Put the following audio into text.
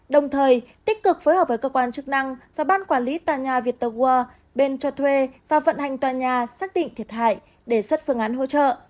đồng thời tích cực phối hợp với cơ quan chức năng và ban quản lý tòa nhà viettel world bên cho thuê và vận hành tòa nhà xác định thiệt hại đề xuất phương án hỗ trợ